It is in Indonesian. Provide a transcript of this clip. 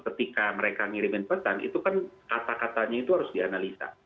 ketika mereka ngirimin pesan itu kan kata katanya itu harus dianalisa